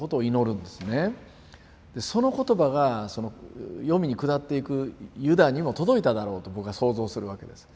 その言葉が黄泉に下っていくユダにも届いただろうと僕は想像するわけです。